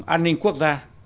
an ninh quốc gia